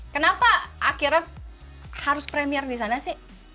kenapa akhirnya harus premier di sana sih